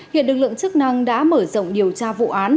hiện lực lượng chức năng đã mở rộng điều tra vụ án